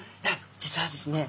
実はですね